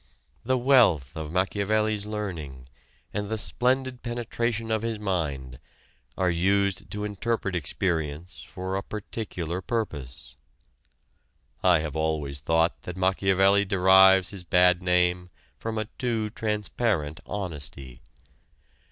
The wealth of Machiavelli's learning and the splendid penetration of his mind are used to interpret experience for a particular purpose. I have always thought that Machiavelli derives his bad name from a too transparent honesty.